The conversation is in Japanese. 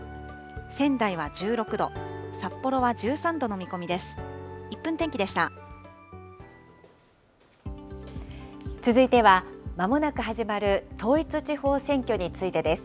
仙台は１６度、札幌は１３度の見込みです。